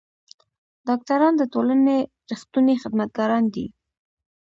ډاکټران د ټولنې رښتوني خدمتګاران دي.